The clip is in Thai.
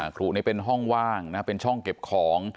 ครูนี่เป็นห้องว่างนะเป็นช่องเก็บของ